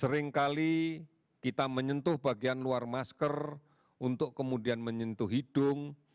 seringkali kita menyentuh bagian luar masker untuk kemudian menyentuh hidung